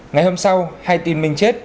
ngày hôm sau hai tin minh chết